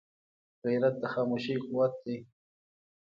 غیرت د خاموشۍ قوت دی